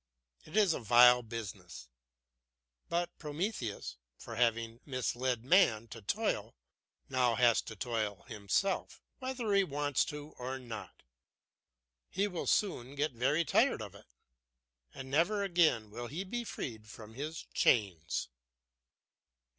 It is a vile business. But Prometheus, for having misled man to toil, now has to toil himself, whether he wants to or not. He will soon get very tired of it, and never again will he be freed from his chains."